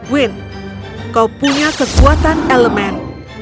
win kau punya kekuatan elemen